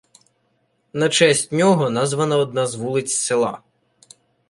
На честь нього названа одна з вулиць села.